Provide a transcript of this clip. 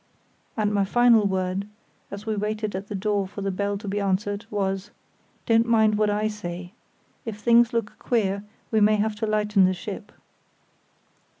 And my final word, as we waited at the door for the bell to be answered, was: "Don't mind what I say. If things look queer we may have to lighten the ship."